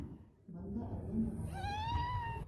Бында әллә ни ғәжәп эш юҡ.